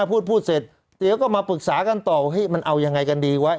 พูดเสร็จเดี๋ยวก็มาปรึกษากันต่อว่ามันเอายังไงกันดีวะ